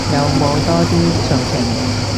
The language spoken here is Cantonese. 有冇多啲詳情